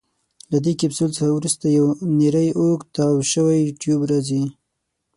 له دې کپسول څخه وروسته یو نیری اوږد تاو شوی ټیوب راځي.